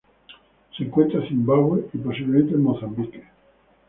Se encuentra en Zimbabue y posiblemente en Mozambique.